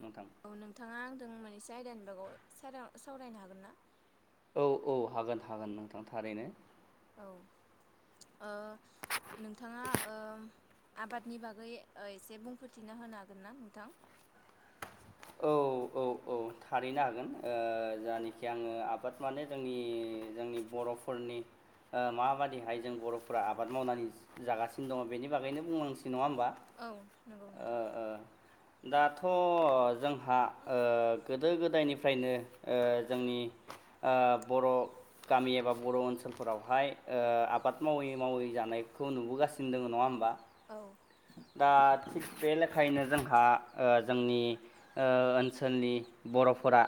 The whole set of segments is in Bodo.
नोंथां। औ नोंथाङा आंजों मोननैसे आयदानि बागाव सावरायनो हागोन ना। औ औ हागोन हागोन नोंथां थारैनो। औ आ नोंथाङा आबादनि बागै एसे बुंफोरोथिना होनो हागोन ना नोंथां? औ औ। औ थारैनो हागोन जायानखि आङो आबाद माने जोंनि जोंनि बर'फोरनि माबादिहाय जों बर'फोरा आबाद मावनानै जागासिनो दङ बेनि बागैनो बुंनांसै नङा होमबा? औ नंगौ ओ नोंथां। दाथ' जोंहा गोदो गोदायनिफ्रायनो जोंनि ओ बर' गामि एबा बर' ओनसोलफोरावहाय आबाद मावै मावै जानायखौ नुबोगासिनो दङ नङा होमबा? औ। दा थिग बे लेखायैनो जोंहा जोंनि ओनसोलनि बर'फोरा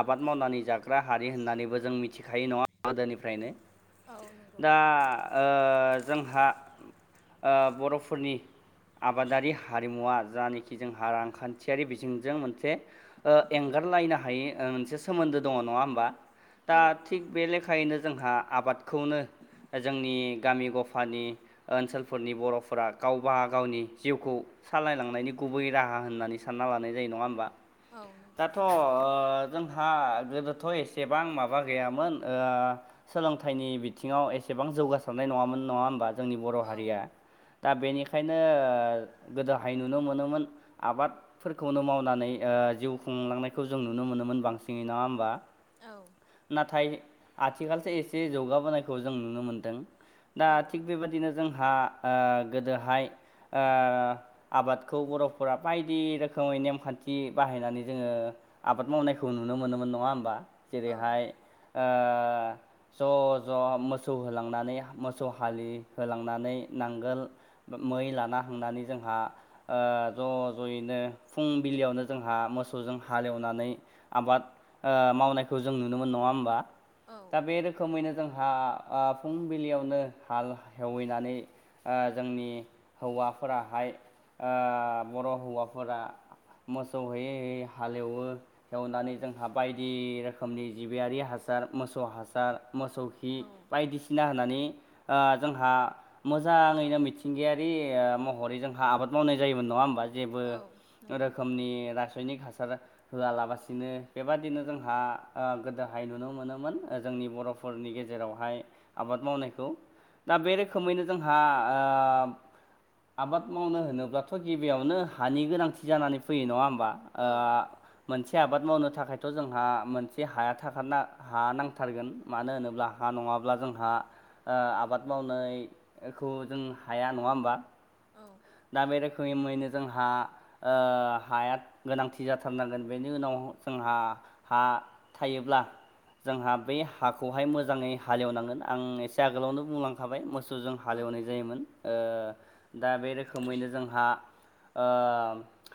आबाद मावनानै जाग्रा हारि होननानैबो जों मिथिखायो नङा गोदोनिफ्रायनो औ नंगौ दा जोंहा बर'फोरनि आबादारि हारिमुवा जानखि जोंहा रांखान्थियारि बिजोंजों मोनसे एंगारलायनो हायि मोनसे सोमोन्दो दङ नङा होमबा दा औ थिग बे लेखायैनो जोंहा आबादखौनो। जोंनि गामि गफानि ओनसोलफोरनि बर'फोरा गावबा गावनि जिउखौ सालायलांनायनि गुबै राहा होननानै सानना लानाय जायो नङा होमबा। औ नंगौ दाथ' जोंहा गोदोथ' एसेबां माबा गैयामोन। सोलोंथाइनि बिथिङाव एसेबां जौगासारनाय नङामोन नङा होमबा। जोंनि बर' औ हारिया दा बेनि। ओंखायनो गोदोहाय नुनो मोनोमोन आबाद। फोरखौनो मावनानै जिउ खुंलांनायखौ जों नुनो मोनोमोन बांसिनै नङा होमबा। औ। नाथाय आथिखालसो एसे जौगाबोनायखौ जों नुनो मोन्दों। दा थिग बेबायादिनो जोंहा गोदोहाय। आबादखौ बर'फोरा बायदि रोखोमै नेमखान्थि बाहायनानै जोङो। आबाद मावनायखौ नुनो मोनोमोन नङा होमबा औ जेरैहाय। ज' ज' मोसौ होलांनानै मोसौ हलि होलांनानै नांगोल। मै लाना हांनानै जोंहा। ज' ज'यैनो फुंबिलियावनो जोंहा मोसौजों हालेवनानै। आबाद मावनायखौ जों नुनो मोन नङा होमबा औ दा बे रोखोम। रोखोमैनो जोंहा फुंबिलियावनो हाल हेवैनानै जोंनि। हौवाफोराहाय बर' हौवाफोरा। मोसौ होयै होयै हालेवो। एवनानै जोंहा बायदि रोखोमनि जिबियारि हासार मोसौ हासार मोसौ। औ बायदिसिना होननानै जोंहा मोजाङैनो मिथि। सिथिंगायारि महरै जोंहा आबाद मावनाय जायोमोन नङा होमबा जेबो औ नंगौ रोखोमनि रासायनिक हासार होआलाबासिनो बेबादिनो जोंहा गोदोहाय नुनो मोनोमोन जोंनि बर'। फोरनि गेजेरावहाय आबाद मावनायखौ दा बे रोखोमैनो जोंहा। आ आबाद मावनो होनोब्लाथ' गिबियावनो हानि गोनांथि जानानै फैयो नङा होमबा? औ मोनसे आबाद मावनो थाखायथ' जोंहा मोनसे हाया थाखारना। हा नांथारगोन मानो होनोब्ला हा नङाब्ला जोंहा। आबाद मावनायखौ जों हाया नङा होमबा। औ। दा बे रोखोमै मुैनो जोंहा। हाया गोनांथि जाथारनांगोन बेनि उनाव जोंहा हा थायोब्ला जोंहा बे हाखौहाय मोजाङै हालेवनांगोन आं एसे आगोलावनो बुंलांखाबाय म औ हालवनाय जायो। रोखोमैनो जोंहा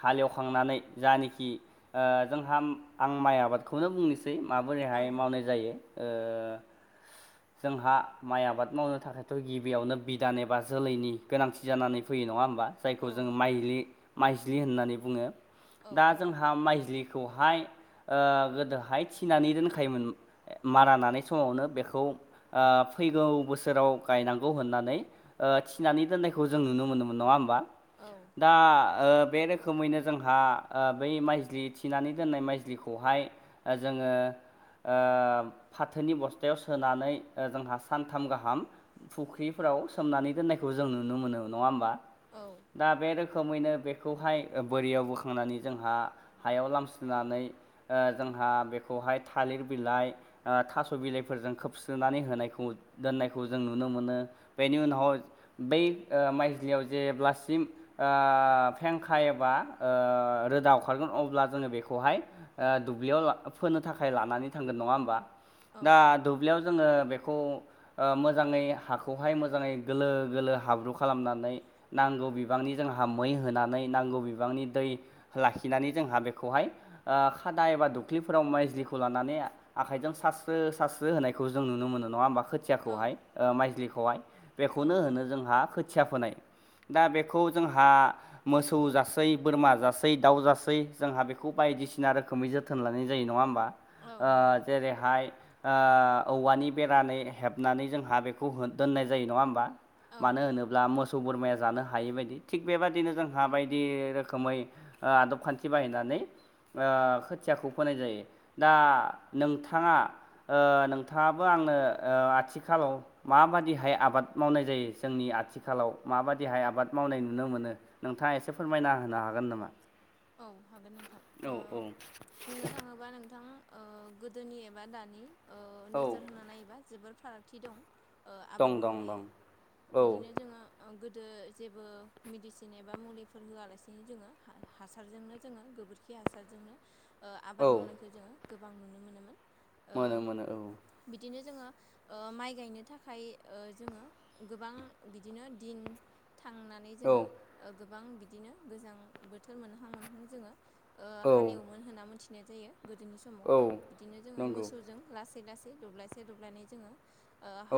हालेवखांनानै जानखि जोंहा आं माइ आबादखौनो बुंनोसै औ माबोरैहाय मावनाय जायो [unintelligible] जोंहा माइ आबाद मावनो थाखायथ' गिबियावनो बिदान एबा जोलैनि गोनांथि जानानै फैयो नङा होम जायखौ औ जोंङो माइलि माइज्लि होननानै बुङो औ दा जोंहा माइज्लिखौहाय। गोदोहाय थिनानै दोनखायोमोन मारा नानाय समावनो बेखौ। फैगौ बोसोराव गायनांगौ होननानै। थिनानै दोननायखौ जों नुनो मोनोमोन नङा होमबा? औ। दा बे रोखोमैनो जोंहा बै माइजलि थिनानै दोननाय माइजलिखौहाय जोङो फाथोनि बस्थायाव सोनानै जोंहा सानथाम गाहाम फुख्रिफोराव सोमनानै दोननायखौ जों नुनो मोनो नङा होमबा? औ। दा बे रोखोमैनो बेखौहाय बोरियाव बोखांनानै जोंहा हायाव लामस्रिनानै जोंहा बेखौहाय थालिर बिलाइ थास' बिलाइफोरजों खोबस्रोननानै होनायखौ दोननायखौ जों नुनो मोनो। बेनि उनाव बै माइजलियाव जेब्लासिम फेंखा एबा रोदा ओंखारगोन अब्ला जोङो बेखौहाय दुब्लियाव फोनो थाखाय लानानै थांगोन नङा होमबा दा दुब्लियाव जोङो बेखौ मोजाङै हाखौहाय मोजाङै गलोलो गलोलो हाब्रु खालामनानै नांगौ बिबांनि जोंहा मै होनानै नांगौ बिबांनि दै लाखिनानै जोंहा बेखौहाय खादा एबा दख्लिफोराव माइज्लिखौ लानानै आखाइजों सास्रो सास्रो होनायखौ जों नुनो मोनो नङा होमबा खोथि औ खोथियाखौहाय माइजलिखौहाय बेखौनो होनो जोंहा खोथिया फोनाय दा बेखौ जोंहा मोसौ जासै बोरमा जासै दाउ जासै जोंहा बेखौ बायदिसिना रोखोमै जोथों जोथोन लानाय जायो नङा होमबा नंगौ जेरैहाय औवानि बेरानै हेबनानै जोंहा बेखौ दोननाय जायो नङा होमबा औ मानो होनोब्ला मोसौ बोरमाया जानो हायै बायदि थिग बेबायदिनो जोंहा बायदि रोखोमै आदब खान्थि बाहायनानै खोथियाखौ फोनाय जायो दा नोंथाङा नोंथाङाबो आंनो आथिखालाव माबादिहाय आबाद मावनाय जायो जोंनि आथिखालाव माबादि दहाय आबाद मावनाय नुनो मोनो नोंथाङा एसे फोरमायना होनो हागोन नामा? औ हागोन नोंथां औ औ बुंनो थाङोब्ला बा नोंथां गोदोनि एबा दानि औ नोजोर होनानै नायोबा जोबोर फाराग खाथि दं दं आबाद दं मावनाया दं औ बिदिनो जोङो गोदो जेबो मेडिसिन एबा मुलिफोर होआलासिनो जोङो हासारजोंनो जोङो गोबोरखि हासारजोंनो औ आबाद मावनायखौ जोङो गोबां नुनो मोनोमोन मोनो मोनो औ बिदिनो जोङो माइ गायनो थाखाय जोङो गोबां बिदिनो दिन थांनानै नानै ज औ गोबां बिदिनो गोजां बोथोर मोनहां मोनहां जोङो हालेवोमोन होनना मिथिनाय जायो गोदोनि समाव औ बिदिनो जोङो नंगौ मोसौजों लासै लासै लासै दब्लासे दब्लायनानै जोङो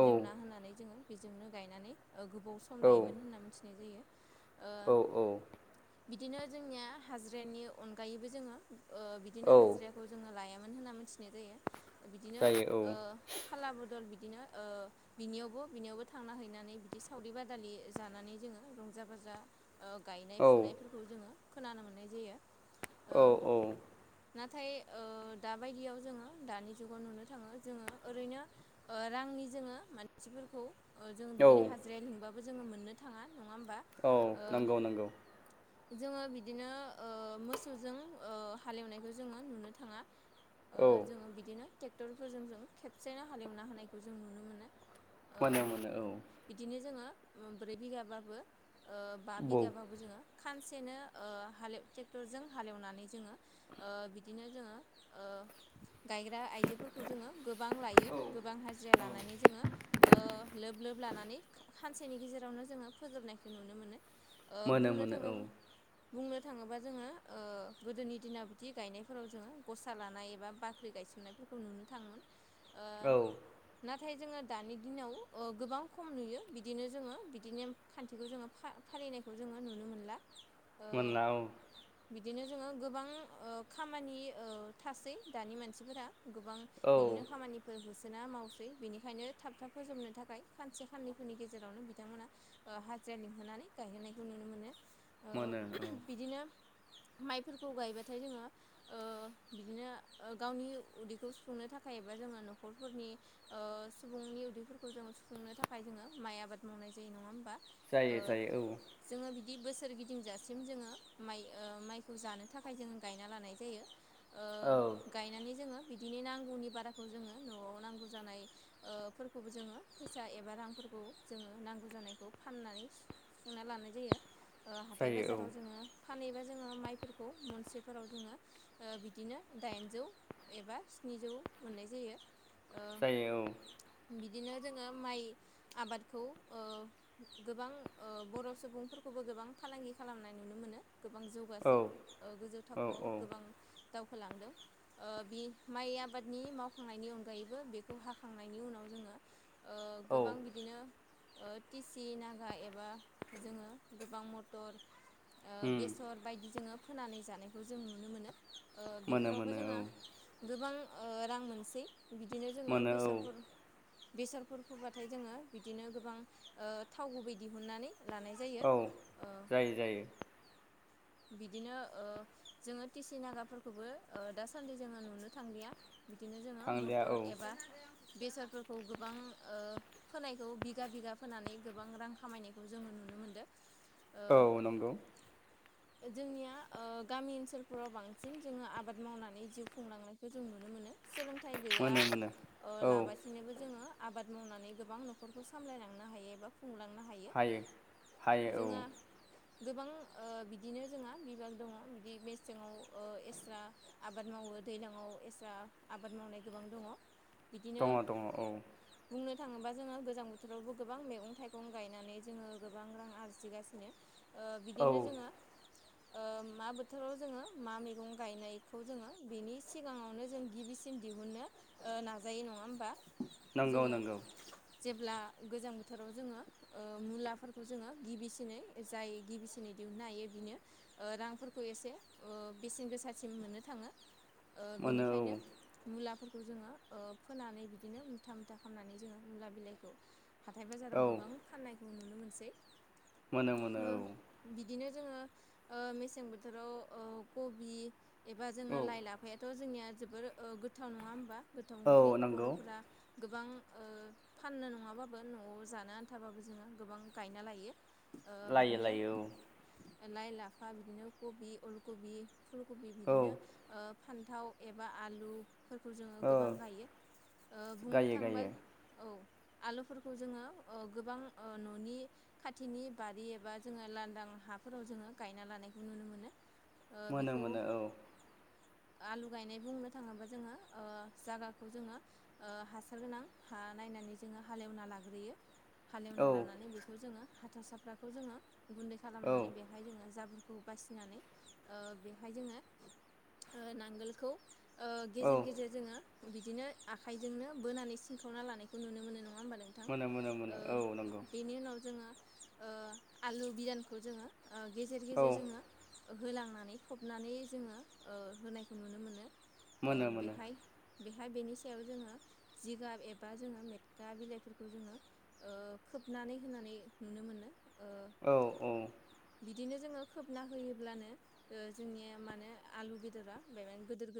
औ होनानै जोङो बेजोंनो गायनानै गोबाव सम औ लायोमोन होनना मिथिनाय जायो। औ औ बिदिनो जोंनिया हाजिरानि अनगायैबो जोङो बिदिनो औ हाजिराया खौ जोङो लायामोन होनना मिथिनाय जायो बिदिनो जायो फाला बदल बिदिनो बिनियावबो बिनियावबो थांना हैनानै बिदि सावरि बादालि जानानै जोङो रंजा बाजा गायनाय औ फुनायफोरखौ जोङो खोनानो मोननाय जायो। औ नाथाय दाबायदियाव जोङो दानि जुगाव नुनो थाङो जोङो ओरैनो रांनि जोङो मानसिफोरखौ जों औ बिदिनो हाजिराया लिंबाबो जोङो मोननो थाङा नङा होमबा? औ नंगौ नंगौ जोङो बिदि बिदिनो मोसौजों हालेवनायखौ जोङो नुनो थाङा औ जोङो बिदिनो ट्रेक्टरफोरजों जों खेबसेनो हालेवना होनायखौ जों नुनो मोनो। मोनो मोनो औ बिदिनो जोङो ब्रै बिगाबाबो बा बौ बिगाबाबो जोङो खानसेनो हालेव ट्रेक्टरजों हालेवनानै जोङो बिदिनो जोङो। गायग्रा आइजोफोरखौ जोङो गोबां लायो गोबां हाजिरा लानानै जोङो। लोब लोब लानानै। खानसेनि गेजेरावनो जोङो फोजोबनायखौ नुनो मोनो मोनो बुंनो मोनो औ थाङोब्ला। बुंनो थाङोबा जोङो गोदोनि दिनाव बिदि गायनायफोराव जोङो गसा लानाय एबा बाख्रि गायसननायफोरखौ। खौ नुनो थाङोमोन। औ नाथाय जोङो दानि दिनाव गोबां खम नुयो बिदिनो जोङो बिदिनो। खान्थिखौ जोङो फालिनायखौ जोङो नुनो मोनला। मोनला औ बिदिनो जोङो गोबां खामानि थासै दानि मानसिफोरा गोबां। औ बिदिनो खामानि। फोर होसोना मावसै बेनिखायनो थाब थाब फोजोबनो थाखाय खानसे खाननैफोरनि गेजेरावनो बिथांमोना। हाजिरा लिंहोनानै गायहोनायखौ नुनो मोनो। ओ मोनाो औ। बिदिनो माइफोरखौ गायबाथाय जोङो। बिदिनो गावनि उदैखौ सुफुंनो थाखाय एबा जोङो न'खरफोरनि। सुबुंनि उदैफोरखौ जों सुफुंनो थाखाय जोङो माइ आबाद मावनाय जायो नङा होमबा? जायो जायो औ जोङो बिदि बोसोर गिदिं ज जोङो म माइखौ जानो थाखाय जोङ गायना लानाय जायो। औ गायनानै जोङो बिदिनो नांगौनि बाराखौ जोङो न'आव नांगौ जानाय। फोरखौबो जोङो फैसा एबा रांफोरखौ जोङो नांगौ जानायखौ फाननानै। सुंना लानाय जायो हाथाय जायो औ बाजाराव जोङो। फानहैबा जोङो माइफोरखौ म मोनसेफोराव जोङो। बिदिनो दाइनजौ एबा स्निजौ मोननाय जायो। जायो बिदिनो जोङो माइ आबादखौ गोबां बर' सुबुंफोरखौबो गोबां। फालांगि खालामनाय नुनो मोनो गोबां औ जौगासै गोजौ औ औ थाखोआव औ गोबां। दावखोलांदों। बि माइ आबादनि मावखांनायनि अनगायैबो बेखौ हाखांनायनि उनाव जोङो। गोबां औ बिदिनो टिसि नागा एबा जोङो गोबां मथ टर उम बेसर बायदि जोङो फोनानै जानायखौ जों नुनो मोनो। मोनो बेफोरावबो मोनो औ जोङहा गोबां रां मोनसै। बिदिनो जोङो मोनो औ बेसादफोर बेसादफोर फबाथाय जोङो बिदिनो गोबां थाव गुबै दिहुननानै लानाय जायो। औ ओ जायो जायो। बिदिनो जोङो टिसि नागाफोरखौबो दासान्दि जोङो नुनो थांलिया। बिदिनो जोङो थांलिया मटर औ एबा बेसादफोरखौ गोबां। फोनायखौ बिगा बिगा फोनानै गोबां रां खामायनायखौ जोङो नुनो मोनदों। ओ औ नंगौ। जोंनिया गामि ओनसोलफोराव बांसिन जोङो आबाद मावनानै जिउ खुंलांनायखौ जों नुनो मोनो। सोलोंथाइ गैया मोनो मोनो औ लाबासिनो। बिथिनोबो जोङो आबाद मावनानै गोबां न'खरखौ सामलायलांनो हायो एबा। खुंलांनो हायो हायो औ जोंहा गोबां बि बिदिनो जोंहा बिबाग दङ बिदि मेसेङाव एक्सट्रा आबाद मावो दैज्लाङाव एक्सट्रा आबाद मावनाय गोबां दङ बिदिनो। दङ दङ औ बुंनो थाङोबा जोङो गोजां बोथोरावबो गोबां मैगं थाइगं गायनानै जोङो गोबां रां आरजिगासिनो। बिनो औ बिदिनो जोङो। मा बोथोराव जोङो मा मैगं गायनायखौ जोङो बेनि सिगाङावनो जों गिबि थम दिहुनो नाजायो नङा होमबा नंगौ जोङो। नंगौ जेब्ला गोजां बोथोराव जोङो मुलाफोरखौ जोङो गिबिसिनै जाय गिबिसिनै दिहुननो हायो। बिनो रांफोरखौ एसे बेसेन गोसासिम मोननो थाङो। मोनो बिनिखायनो औ मुलाफोरखौ जोङो फोनानै बिदिनो मुथा मुथा खालामनानै जोङो मुला बिलाइखौ हाथाय बाजाराव औ गोबां फाननायखौ नुनो मोनसै मोनो मोनो औ। इदिनो जोङो मेसें बोथोराव कबि एबा औ जोङो लाइ लाफा आफायाथ' जोंनिया जोबोर गोथाव नङा होमबा? गोथाव ओंख्रि औ नंगौ बर'फोरा गोबां फाननो नङाबाबो न'आव जानो आन्थाबाबो जोङो गोबां गायना लायो। ओ लायो बिदिनो लायो औ। लाइ लाफा बिदिनो कबि, अल कबि, फुलकबि औ बिदिनो औ फान्थाव एबा आलु फोरखौ जोङो गोबां औ गायो बुंनो गायो थांबा गायो औ आलुफोरखौ जोङो गोबां न'नि खाथिनि बारि एबा जोङो लांदां हा फोराव जोङो गायना लानायखौ नुनो मोनो। मोनो बेखौ मोनो औ आलु गायनाय बुंनो थाङोबा जोङो जायगाखौ जोङो हासार गोनां हा नायनानै जोङो हालेवना लाग्रोयो। हालेवना औ लानानै बेखौ जोङो हाथारसाफ्राफोरखौ जोङो गुन्दै औ खालामनानै बेवहाय जोङो जोरफोरखौ बासिनानै बेवहाय जोङो नांगोलखौ औ गेजेर गेजेर जोङो बिदिनो आखाइजोंनो बोनानै सिनखावना लानायखौ नुनो मोनो नङा होमबा नों मोनो मोनो मोनो औ नंगौ बेनि उनाव जोङो आलु बिदानखौ जोङो गेजेर औ गेजेर जोङो होलांनानै फबनानै जोङो होनायखौ नुनो मोनो। मोनो मोनो बेहाय बेहाय बेनि सायाव जोङो जिगाब एबा जोङो मेटखा बिलाइफोरखौ जोङो खोबनानै होननानै नुनो मोनो। ओ औ औ। बिदिनो जोङो खोबना होयोब्लानो जोंनिया माने आलु बेदरा बे गोदिरा गोदोर